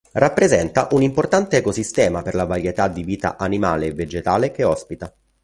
Rappresenta un importante ecosistema per la varietà di vita animale e vegetale che ospita.